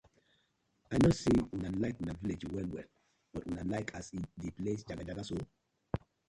I no say una like una villag well well but una like as di place jagajaga so?